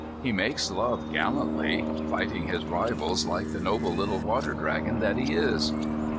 He makes love gallantly fighting his rivals like the noble little water dragon that he is.